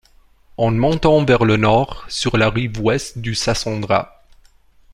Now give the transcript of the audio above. En montant vers le nord, sur la rive Ouest du Sassandra.